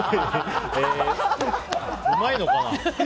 うまいのかな。